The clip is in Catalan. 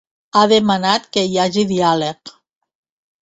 Ha demanat que hi hagi diàleg.